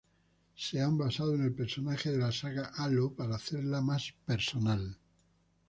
Se han basado en el personaje de la saga Halo para hacerla más "personal".